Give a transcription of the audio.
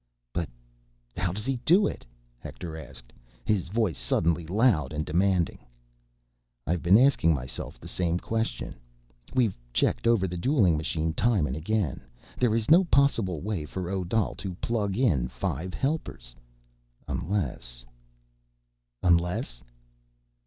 "But how does he do it?" Hector asked, his voice suddenly loud and demanding. "I've been asking myself the same question. We've checked over the dueling machine time and again. There is no possible way for Odal to plug in five helpers ... unless—" "Unless?"